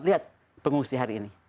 lihat pengungsi hari ini